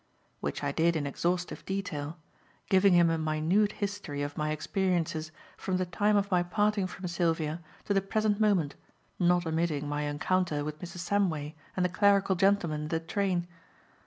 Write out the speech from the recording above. Which I did in exhaustive detail; giving him a minute history of my experiences from the time of my parting from Sylvia to the present moment, not omitting my encounter with Mrs. Samway and the clerical gentleman in the train.